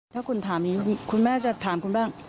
ถ้าคุณถามนี้คุณแม่จะถามคุณแม่